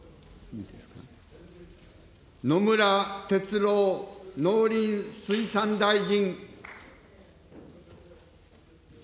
野村哲郎農林水産大臣。